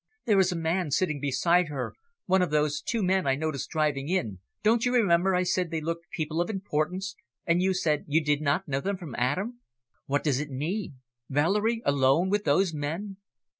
"There is a man sitting beside her, one of those two men I noticed driving in don't you remember I said they looked people of importance, and you said you did not know them from Adam. What does it mean? Valerie alone with those men?"